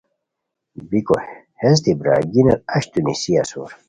بیکو ہیس دی برارگینیان اچتو نیسی اسور